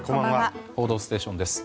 「報道ステーション」です。